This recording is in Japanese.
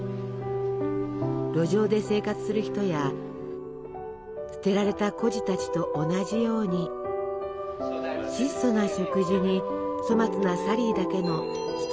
路上で生活する人や捨てられた孤児たちと同じように質素な食事に粗末なサリーだけのつつましやかな生活。